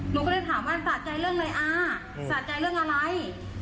หนูก็เลยถามว่าสะใจเรื่องอะไรอาสะใจเรื่องอะไร